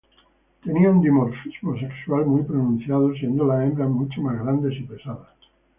Tenía un dimorfismo sexual muy pronunciado, siendo las hembras mucho más grandes y pesadas.